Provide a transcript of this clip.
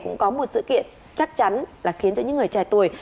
cũng có một sự kiện chắc chắn là khiến cho những người trẻ tuổi